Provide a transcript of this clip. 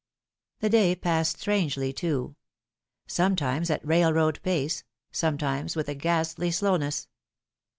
The day passed strangely, too sometimes at railroad pace, sometimes with a ghastly slowness.